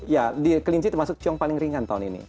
ya kelinci termasuk sio paling ringan tahun ini